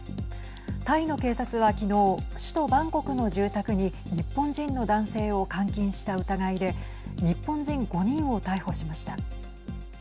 タイの警察は昨日首都バンコクの住宅に日本人の男性を監禁した疑いで日本人５人を逮捕しました。